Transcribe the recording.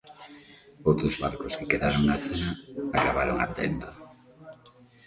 Outros barcos que quedaron na zona acabaron ardendo.